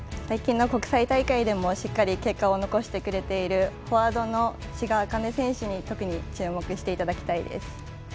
最近の国際大会でもしっかり結果を残してくれているフォワードの志賀紅音選手に特に注目してほしいです。